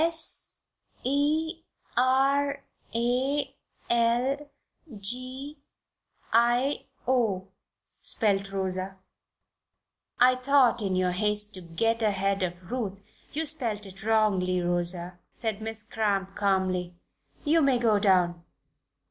"'S e r a l g i o'," spelled Rosa. "I thought in your haste to get ahead of Ruth you spelled it wrongly, Rosa," said Miss Cramp, calmly. "You may go down.